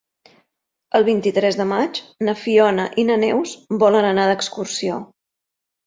El vint-i-tres de maig na Fiona i na Neus volen anar d'excursió.